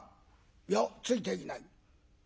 「いやついていない」。